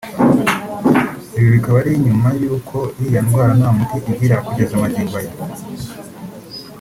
Ibi bikaba ari nyuma y’uko iriya ndwara nta muti igira kugeza magingo aya